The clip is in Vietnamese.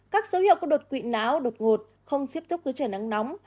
các dấu hiệu của đột quỵ não đột ngột không tiếp tục với trời nắng nóng